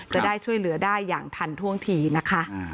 จะได้ช่วยเหลือได้อย่างทันท่วงทีนะคะ